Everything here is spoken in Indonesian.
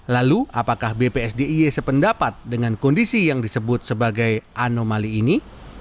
lalu apakah bps d i e sependapat dengan kondisi yang disebut sebagai anomali ini